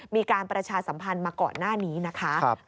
มีการประชาสัมพันธ์มาก่อนหน้านี้นะคะ